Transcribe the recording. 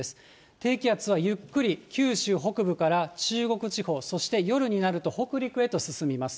低気圧はゆっくり九州北部から中国地方、そして夜になると北陸へと進みます。